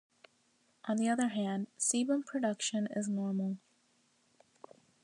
On the other hand, sebum production is normal.